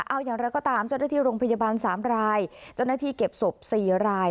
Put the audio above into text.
เอาอย่างไรก็ตามเจ้าหน้าที่โรงพยาบาลสามรายเจ้าหน้าที่เก็บศพ๔ราย